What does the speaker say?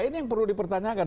ini yang perlu dipertanyakan